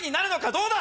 どうだ！